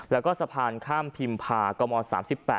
แล้วก็สะพานข้ามพิมพากม๓๘